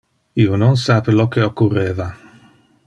Io non sape lo que occurreva.